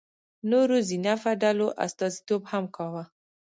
نورو ذینفع ډلو استازیتوب هم کاوه.